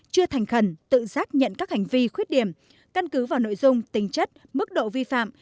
chưa thành khẩn tự giác nhận các hành vi khuyết điểm căn cứ vào nội dung tính chất mức độ vi phạm